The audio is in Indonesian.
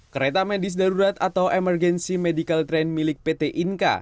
kereta medis darurat atau emergency medical train milik pt inka